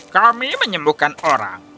kami menyembuhkan orang